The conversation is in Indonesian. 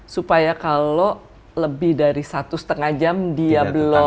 supaya kalau lebih dari satu setengahnya